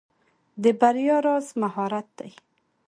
د بریا راز مهارت دی.